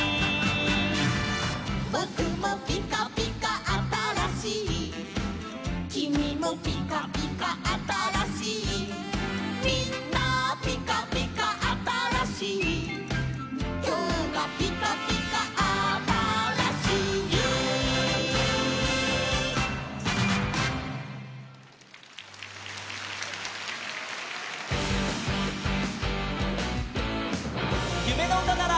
「ぼくもぴかぴかあたらしい」「きみもぴかぴかあたらしい」「みんなぴかぴかあたらしい」「きょうがぴかぴかあたらしい」「ゆめのうたなら」